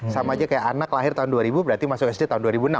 sama aja kayak anak lahir tahun dua ribu berarti masuk sd tahun dua ribu enam